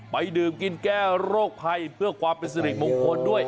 ไปดื่มกินแก้โรคไพรเต้อความเป็นเสร็จมงคดด้วย